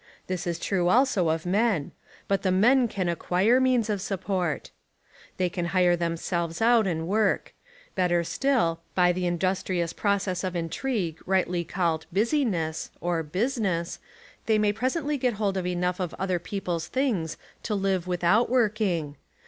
This is true also of men. But the men can acquire means of sup port. They can hire themselves out and work. Better still, by the industrious process of In trigue rightly called "busyness," or business, they may presently get hold of enough of other 141 Essays and Literary Studies people's things to live without working.